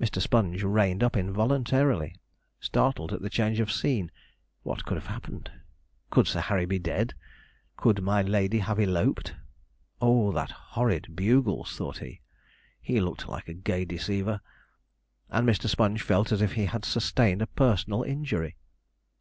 Mr. Sponge reined up involuntarily, startled at the change of scene. What could have happened! Could Sir Harry be dead? Could my lady have eloped? 'Oh, that horrid Bugles!' thought he; 'he looked like a gay deceiver.' And Mr. Sponge felt as if he had sustained a personal injury.